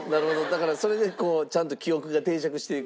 だからそれでちゃんと記憶が定着していく。